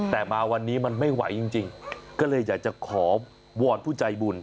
แต่มาวันนี้มันไม่ไหวจริงก็เลยอยากจะขอวอนผู้ใจบุญ